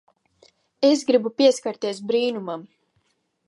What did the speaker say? Es gribu pieskarties brīnumam.